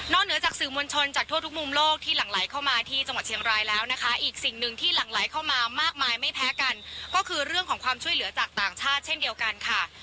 เหนือจากสื่อมวลชนจากทั่วทุกมุมโลกที่หลั่งไหลเข้ามาที่จังหวัดเชียงรายแล้วนะคะอีกสิ่งหนึ่งที่หลั่งไหลเข้ามามากมายไม่แพ้กันก็คือเรื่องของความช่วยเหลือจากต่างชาติเช่นเดียวกันค่ะ